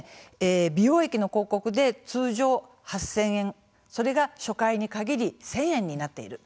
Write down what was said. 美容液の広告で通常８０００円が初回に限り１０００円になっている。